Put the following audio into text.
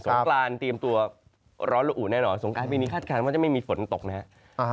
สงกลาลตีมตัวร้อนหรืออุ๋แน่นอนอ่ะสงการปีนี้คาดการณ์ว่าจะไม่มีฝนตกนะฮะ